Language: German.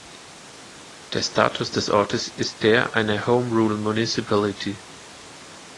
Der Status des Ortes ist der einer Home Rule Municipality.